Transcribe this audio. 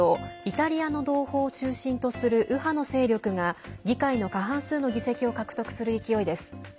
イタリアの同胞を中心とする右派の勢力が議会の過半数の議席を獲得する勢いです。